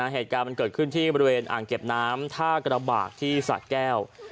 เหตุการณ์มันเกิดขึ้นที่บริเวณอ่างเก็บน้ำท่ากระบากที่สะแก้ว